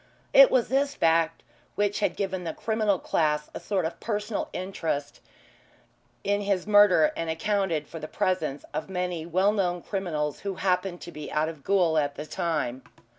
It was this fact which had given the criminal class a sort of personal interest in his murder and accounted for the presence of many well known criminals who happened to be out of gaol at the time.